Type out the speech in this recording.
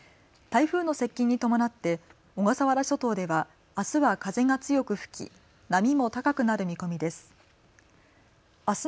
台風の接近に伴って小笠原諸島ではあすは風が強く吹き、波も高くなる見込みです。